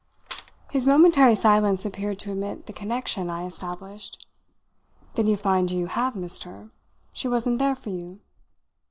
His momentary silence appeared to admit the connection I established. "Then you find you have missed her? She wasn't there for you?"